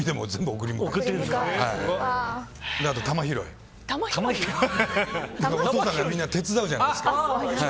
お父さんがみんな手伝うじゃないですか。